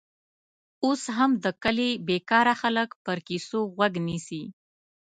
اوس هم د کلي بېکاره خلک پر کیسو غوږ نیسي.